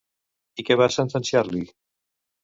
I què va sentenciar-li?